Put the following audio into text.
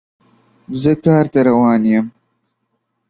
زه کار ته روان یم